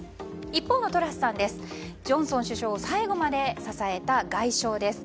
一方のトラスさんはジョンソン首相を最後まで支えた外相です。